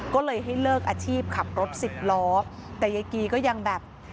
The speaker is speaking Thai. ก็เลยให้เลิกอาชีพขับรถสิบล้อแต่ยายกีก็ยังแบบ